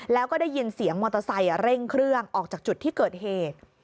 แล้วก็ได้ยินเสียงมอเตอร์ไซค์เร่งเครื่องออกจากจุดที่เกิดเหตุ